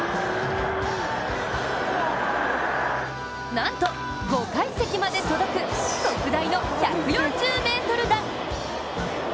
なんと５階席まで届く特大の１４０ｍ弾。